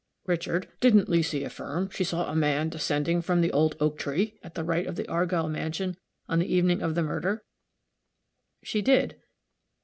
Richard, didn't Leesy affirm she saw a man descending from the old oak tree at the right of the Argyll mansion, on the evening of the murder?" "She did."